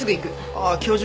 あっ教授